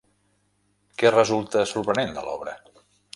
Què resulta sorprenent de l'obra?